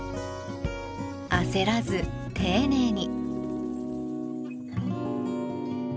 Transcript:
焦らず丁寧に。